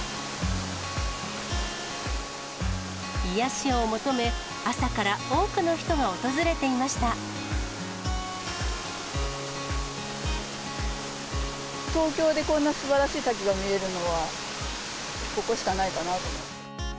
癒やしを求め、朝から多くの人が東京でこんなすばらしい滝が見れるのは、ここしかないかなと。